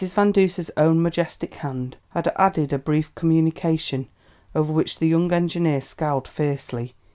Van Duser's own majestic hand had added a brief communication, over which the young engineer scowled fiercely.